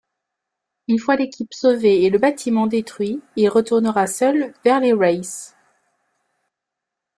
Une fois l'équipe sauvée et le bâtiment détruit il retournera seul vers les Wraiths.